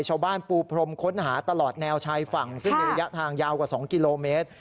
ปูพรมค้นหาตลอดแนวชายฝั่งซึ่งมีระยะทางยาวกว่า๒กิโลเมตร